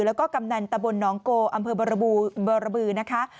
แล้วก็กำนันตะบนน้องโกอำเภอบรบือนะคะ